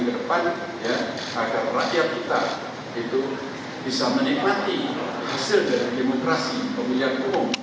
pertama kita ingin menanggungkan tahapan agar rakyat kita bisa menikmati hasil dan demokrasi pemilihan umum